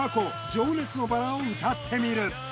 「情熱の薔薇」を歌ってみる